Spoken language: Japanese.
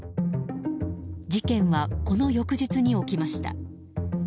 事件はこの翌日に起きました。